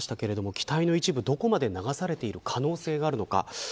機体の一部がどこまで流されている可能性があるのか。